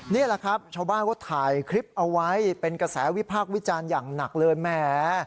นี่แหละครับชาวบ้านเขาถ่ายคลิปเอาไว้เป็นกระแสวิพากษ์วิจารณ์อย่างหนักเลยแหม